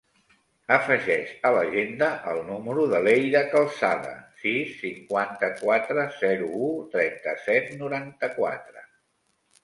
Afegeix a l'agenda el número de l'Eyra Calzada: sis, cinquanta-quatre, zero, u, trenta-set, noranta-quatre.